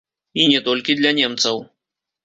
І не толькі для немцаў.